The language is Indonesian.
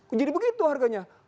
eh jadi begitu harganya